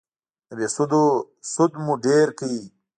د بهسودو سود مو ډېر کړ